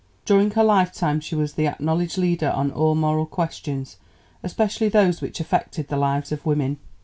During her life time she was the acknowledged leader on all moral questions, especially those which affected the lives of women.